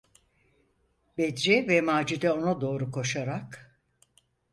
Bedri ve Macide ona doğru koşarak: